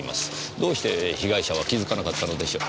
どうして被害者は気づかなかったのでしょう？